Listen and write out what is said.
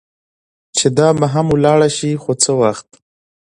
چې دا به هم ولاړه شي، خو څه وخت.